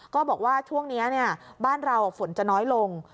ก็บอกว่าท่วงเนี้ยเนี่ยบ้านเราฝนจะน้อยลง